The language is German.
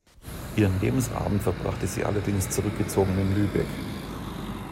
Ihren Lebensabend verbrachte sie allerdings zurückgezogen in Lübeck.